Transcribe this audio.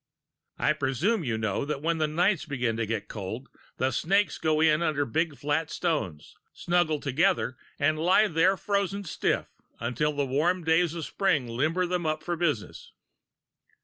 I presume you know that when the nights begin to get cold, the snakes go in under big flat stones, snuggle together, and lie there frozen stiff until the warm days of spring limber them up for business.